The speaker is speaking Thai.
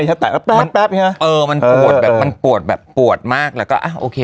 ถ้าตัดแป๊บมันแป๊บใช่ไหมเออมันปวดแบบมันปวดแบบปวดมากแล้วก็อ่ะโอเค